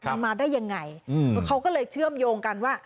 มันมาได้ยังไงเขาก็เลยเชื่อมโยงกันว่า